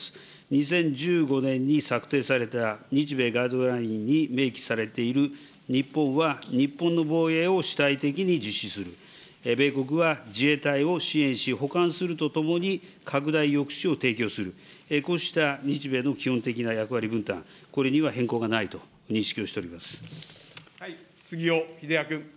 ２０１５年に策定された日米ガイドラインに明記されている、日本は日本の防衛を主体的に実施する、米国は自衛隊を支援し、補完するとともに、拡大抑止を提供する、こうした日米の基本的な役割分担、これには変更がないと認識をして杉尾秀哉君。